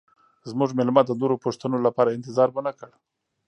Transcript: زموږ میلمه د نورو پوښتنو لپاره انتظار ونه کړ